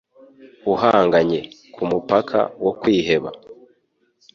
uhanganye kumupaka wo kwiheba